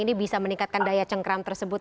ini bisa meningkatkan daya cengkram tersebut